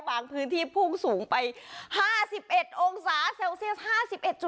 พื้นที่พุ่งสูงไป๕๑องศาเซลเซียส๕๑